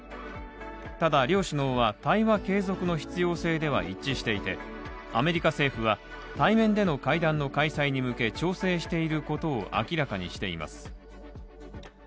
ただ両首脳は対話継続の必要性では一致していてアメリカ政府は対面での会談の開催に向け調整していることを明らかにしています。